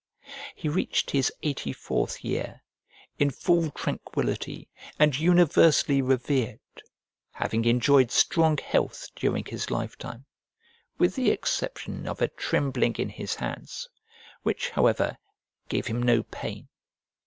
He reached his eighty fourth year, in full tranquillity and universally revered, having enjoyed strong health during his lifetime, with the exception of a trembling in his hands, which, however, gave him no pain.